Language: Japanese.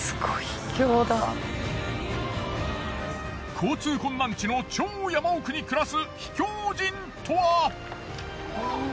交通困難地の超山奥に暮らす秘境人とは！？